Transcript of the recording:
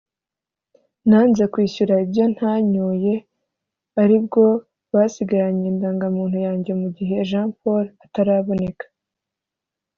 nanze kwishyura ibyo ntanyoye ari bwo basigaranye indangamuntu yanjye mu gihe Jean Paul ataraboneka”